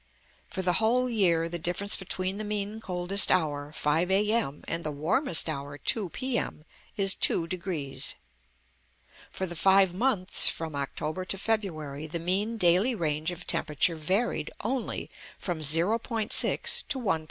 For the whole year, the difference between the mean coldest hour, 5 A.M., and the warmest hour, 2 P.M., is 2°. For the five months, from October to February, the mean daily range of temperature varied only from O·6 to 1·5.